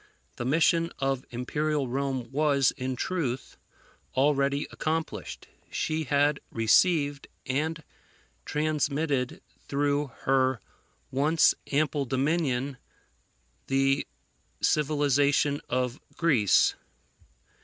The mission of Imperial Rome was, in truth, already accomplished. She had received and transmitted through her once ample dominion the civilization of Greece.